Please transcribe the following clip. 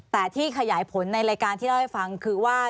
แต่ที่ขยายผลในรายการที่เล่าให้ฟังคือว่า